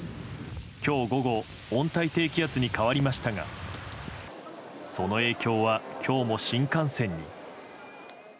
今日午後温帯低気圧に変わりましたがその影響は、今日も新幹線に。